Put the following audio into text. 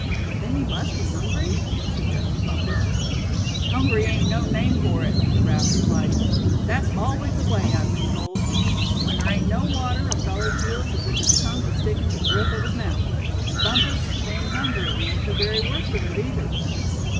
"Then you must be hungry?" suggested Bumpus. "Hungry ain't no name for it," Giraffe replied. "That's always the way, I've been told. When there ain't no water, a feller feels as if his tongue was stickin' to the roof of his mouth. And Bumpus, bein' hungry ain't the very worst of it, either!"